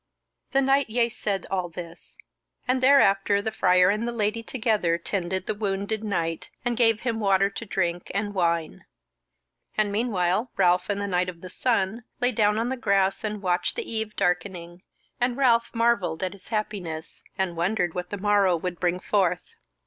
The knight yeasaid all this, and thereafter the Friar and the Lady together tended the wounded knight, and gave him water to drink, and wine. And meanwhile Ralph and the Knight of the Sun lay down on the grass and watched the eve darkening, and Ralph marvelled at his happiness, and wondered what the morrow would bring forth.